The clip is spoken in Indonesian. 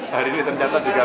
hari ini ternyata juga